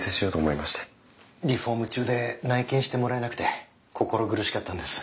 リフォーム中で内見してもらえなくて心苦しかったんです。